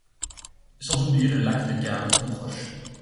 Sans oublier le lac de Garde, tout proche.